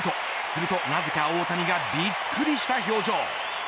すると、なぜか大谷がびっくりした表情。